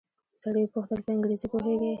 سړي وپوښتل په انګريزي پوهېږې.